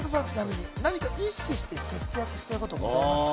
武田さん、ちなみに何か意識して節約してることはありますか？